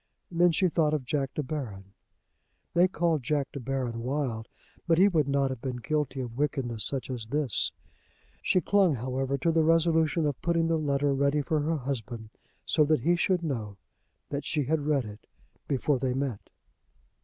Then she thought of Jack De Baron. They called Jack De Baron wild; but he would not have been guilty of wickedness such as this. She clung, however, to the resolution of putting the letter ready for her husband, so that he should know that she had read it before they met.